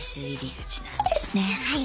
はい。